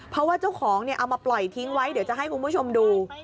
เพราะว่าเจ้าของเอามาปล่อยทิ้งไว้เดี๋ยวจะให้คุณผู้ชมดู